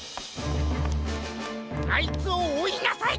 あいつをおいなさい！